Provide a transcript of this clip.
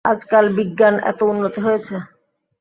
আজকাল বিজ্ঞান এত উন্নতি হয়েছে।